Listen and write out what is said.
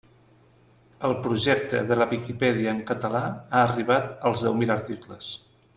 El projecte de la Viquipèdia en català ha arribat als deu mil articles.